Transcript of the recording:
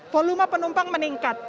volume penumpang meningkat